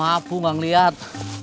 maaf bu enggak ngelihat